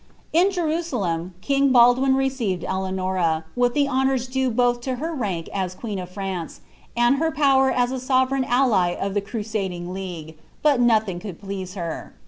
In Jen:*aleiu, ting Baldwin received Eleanom, with the honours due both to her mnk u queen of Franec, and her power as a sovereign ally of the cnuuliDg league ; but nothing could please her.